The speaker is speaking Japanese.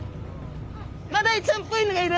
マダイちゃんっぽいのがいる！